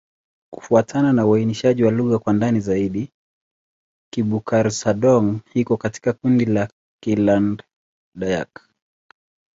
Kufuatana na uainishaji wa lugha kwa ndani zaidi, Kibukar-Sadong iko katika kundi la Kiland-Dayak.